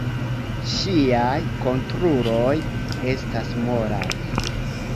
Ŝiaj konturoj estas molaj.